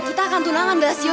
kita akan tunangan gassio